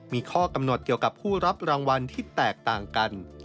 มีข้อกำหนดเกี่ยวกับผู้รับรางวัลที่แตกต่างกัน